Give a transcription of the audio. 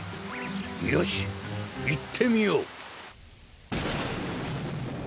よしいってみよう。